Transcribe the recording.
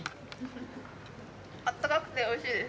あったかくておいしいです。